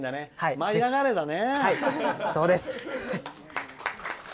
「舞いあがれ！」だね。